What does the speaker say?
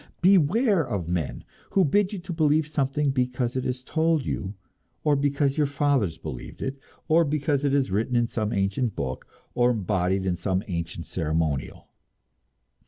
Beware of men who bid you believe something because it is told you, or because your fathers believed it, or because it is written in some ancient book, or embodied in some ancient ceremonial.